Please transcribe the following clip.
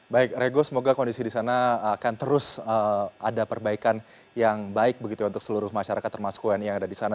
baik rego semoga kondisi di sana akan terus ada perbaikan yang baik begitu ya untuk seluruh masyarakat termasuk wni yang ada di sana